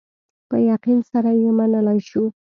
په یقین سره یې منلای شو.